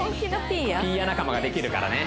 ピーヤ仲間ができるからね